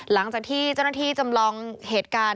หลังจากที่เจ้าหน้าที่จำลองเหตุการณ์